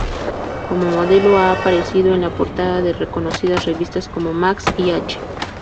Como modelo ha aparecido en la portada de reconocidas revistas como "Max" y "H".